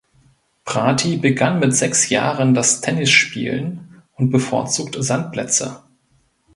Prati begann mit sechs Jahren das Tennisspielen und bevorzugt Sandplätze.